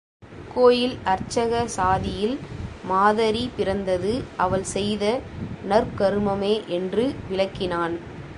கோயில் அர்ச்சக சாதியில் மாதரி பிறந்தது அவள் செய்த நற்கருமமே என்று விளக்கினான்.